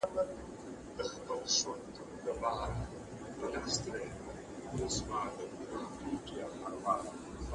تېرَوم به يې شکـــــــست ته تيـــــــار نه يم